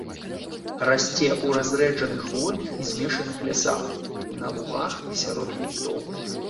Расце ў разрэджаных хвойных і змешаных лясах, на лугах і сярод кустоў.